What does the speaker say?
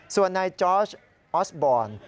ส่วนนายจอร์ชออสบอน